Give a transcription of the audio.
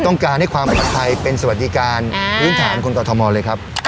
ต้องการให้ความปลอดภัยเป็นสวัสดิการพื้นฐานคนกรทมเลยครับ